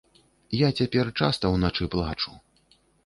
Я цяпер часта ўначы плачу.